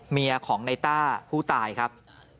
เมียของในต้าผู้ตายครับ